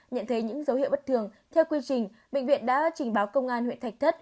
nhận thấy những dấu hiệu bất thường theo quy trình bệnh viện đã trình báo công an huyện thạch thất